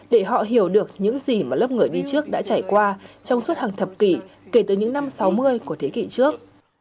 để họ hiểu được những gì mà lớp người đi trước đã trải qua trong suốt hàng thập kỷ kể từ những năm sáu mươi của thế kỷ trước